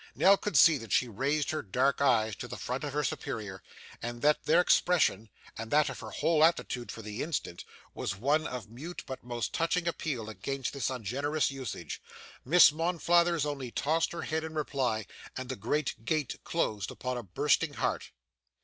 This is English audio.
Nell could see that she raised her dark eyes to the face of her superior, and that their expression, and that of her whole attitude for the instant, was one of mute but most touching appeal against this ungenerous usage. Miss Monflathers only tossed her head in reply, and the great gate closed upon a bursting heart.